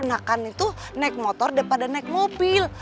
nakan itu naik motor daripada naik mobil